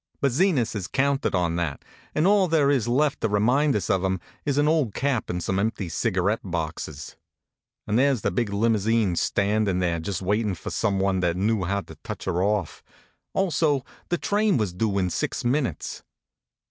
But Zenas has counted on that, and all there is left to remind us of him is an old cap and some empty cigarette boxes. And there s the big limousine, standin there just waitin for some one that knew how to HONK, HONK! touch her off; also the train was due in six minutes.